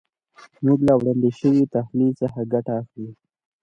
موږ له وړاندې شوي تحلیل څخه ګټه اخلو.